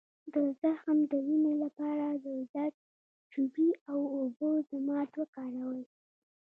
د زخم د وینې لپاره د زردچوبې او اوبو ضماد وکاروئ